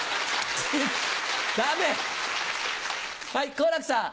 好楽さん。